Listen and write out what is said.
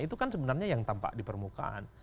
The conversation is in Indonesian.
itu kan sebenarnya yang tampak di permukaan